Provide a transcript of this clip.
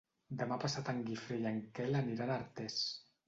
Demà passat en Guifré i en Quel aniran a Artés.